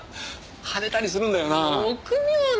腫れたりするんだよな？